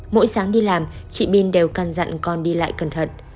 mỗi sáng đi làm chị bin đều căn dặn con đi lại cẩn thận